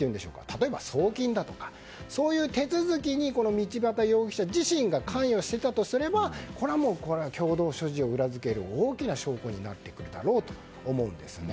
例えば、送金だとかそういう手続きに道端容疑者自身が関与していたとすればこれは共同所持を裏付ける大きな証拠になってくるだろうと思うんですね。